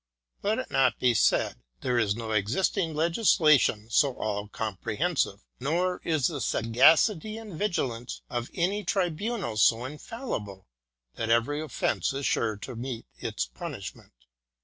Let it not be said, There is no existing legisla tion so all comprehensive, nor is the sagacity and vigilance of any tribunal so infallible, that every offence is sure to meet its punishment.